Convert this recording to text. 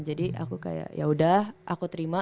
aku kayak yaudah aku terima